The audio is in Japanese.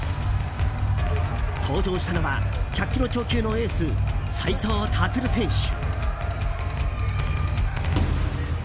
登場したのは１００ｋｇ超級のエース、斉藤立選手。